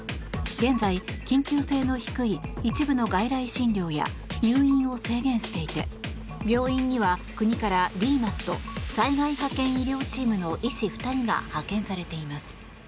現在、緊急性の低い一部の外来診療や入院を制限していて病院には、国からＤＭＡＴ・災害派遣医療チームの医師２人が派遣されています。